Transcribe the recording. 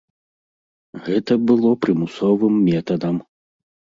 Гэта было прымусовым метадам.